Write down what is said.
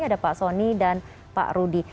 ada pak soni dan pak rudi